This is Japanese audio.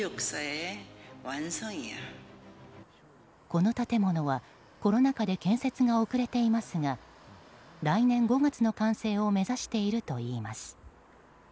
この建物はコロナ禍で建設が遅れていますが来年５月の完成を目指しているといいます。